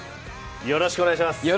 よろしくお願いします